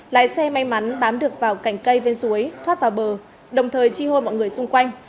lái xe may mắn bám được vào cành cây ven suối thoát vào bờ đồng thời chi hô mọi người xung quanh